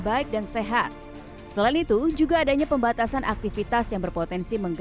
baik dan sehat selain itu juga adanya pembatasan aktivitas yang berpotensi